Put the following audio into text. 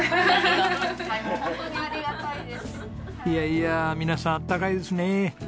いやいや皆さんあったかいですね。